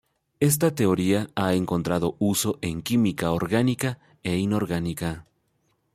Esta teoría ha encontrado uso en química orgánica e inorgánica.